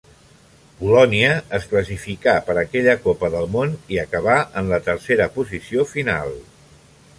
Polònia es classificà per aquella Copa del Món i acabà en la tercera posició final.